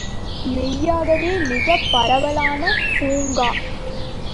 மெய்யாகவே மிகப் பரவலான பூங்கா.